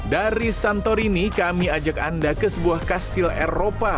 dari santorini kami ajak anda ke sebuah kastil eropa